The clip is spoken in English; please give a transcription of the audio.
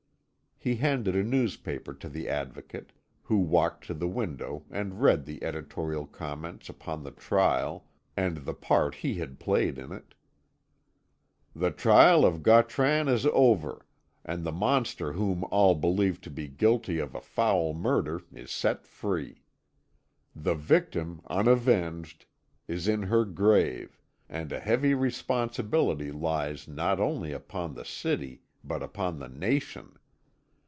He handed a newspaper to the Advocate, who walked to the window and read the editorial comments upon the trial and the part he had played in it. "The trial of Gautran is over, and the monster whom all believe to be guilty of a foul murder is set free. The victim, unavenged, is in her grave, and a heavy responsibility lies not only upon the city, but upon the nation.